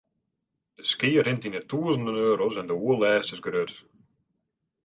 De skea rint yn 'e tûzenen euro's en de oerlêst is grut.